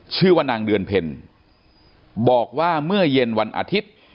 ชื่อว่านางเดือนเพลบอกว่าเมื่อเย็นวันอาทิตย์